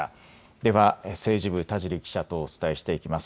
では政治部、田尻記者とお伝えしていきます。